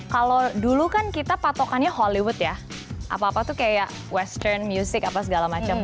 kalau dulu kan kita patokannya hollywood ya apa apa tuh kayak western music apa segala macam